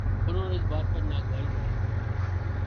انہوں نے اس بات پر ناگواری ظاہر کی